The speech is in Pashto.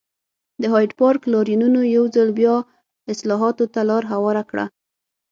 د هایډپارک لاریونونو یو ځل بیا اصلاحاتو ته لار هواره کړه.